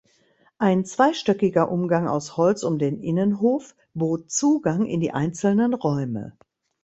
Ein zweistöckiger Umgang aus Holz um den Innenhof bot Zugang in die einzelnen Räume.